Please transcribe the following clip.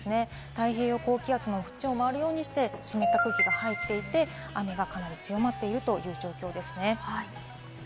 太平洋高気圧の縁をまわるようにして湿った空気が入って、雨がかなり強まっているという状況です。